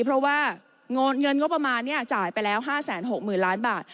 เพราะว่าเงินงบประมาณจ่ายไปแล้ว๕๖๐๐๐ล้านบาท